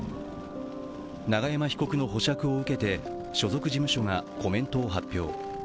永山被告の保釈を受けて所属事務所がコメントを発表。